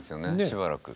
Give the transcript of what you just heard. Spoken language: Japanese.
しばらく。